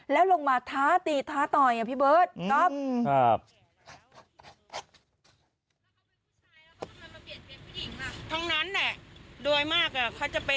แล้วลงมาท้าตีท้าต่อยพี่เบิร์ตก๊อฟ